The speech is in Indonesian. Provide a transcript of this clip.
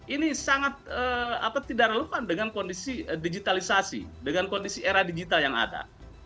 ini sangat tidak relevan dengan kondisi digitalisasi dengan kondisi era digital yang ada